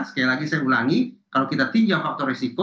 sekali lagi saya ulangi kalau kita tinjam faktor resiko